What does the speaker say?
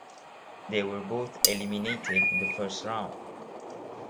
They were both eliminated in the first round.